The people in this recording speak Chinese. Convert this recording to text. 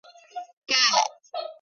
盖特河畔圣科隆布。